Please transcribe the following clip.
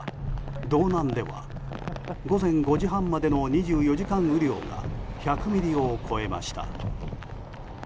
道南では午前５時半までの２４時間雨量が１００ミリを超えました。